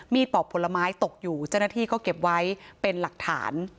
มีดปลอบผลไม้ตกอยู่จนที่เขาเก็บไว้เป็นหลักฐาน